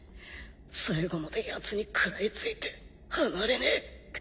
最後までヤツに食らいついて離れねえ。